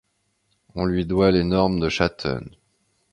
On lui doit les normes de Schatten.